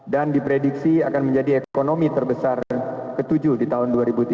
dan diprediksi akan menjadi ekonomi terbesar ketujuh di tahun dua ribu tiga puluh